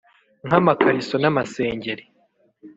nk’amakariso n’amasengeri